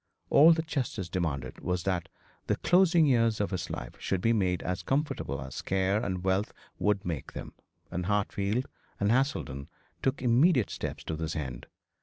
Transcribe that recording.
All that justice demanded was that the closing years of his life should be made as comfortable as care and wealth could make them; and Hartfield and Haselden took immediate steps to this end.